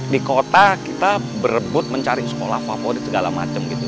di kota kita berebut mencari sekolah favorit segala macam gitu